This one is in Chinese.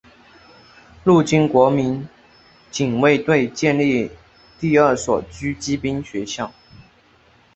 陆军国民警卫队建立第二所狙击兵学校。